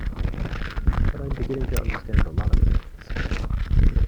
But I'm beginning to understand a lot of things.